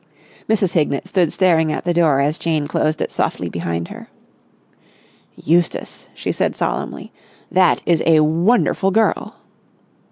Mrs. Hignett stood staring at the door as Jane closed it softly behind her. "Eustace," she said solemnly, "that is a wonderful girl!"